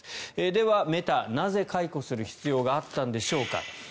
では、メタなぜ解雇する必要があったんでしょうか。